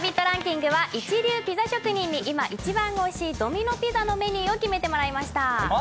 ランキングは一流ピザ職人に今一番おいしいドミノ・ピザのメニューを決めてもらいました。